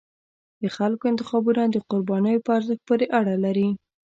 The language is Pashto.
د خلکو انتخابونه د قربانیو په ارزښت پورې اړه لري